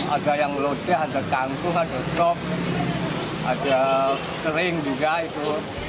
ada yang loceh ada yang kankuh ada yang soft ada sering juga itu